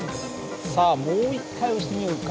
さあもう一回押してみようか。